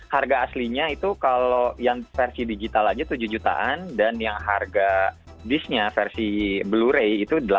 harga aslinya itu kalau yang versi digital aja tujuh jutaan dan yang harga disk nya versi blu ray itu